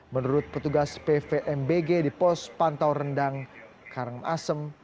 menurut petugas pvmbg di pos pantau rendang karangasem